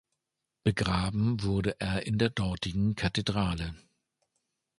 Begraben wurde er in der dortigen Kathedrale.